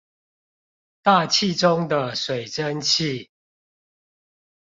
大氣中的水蒸氣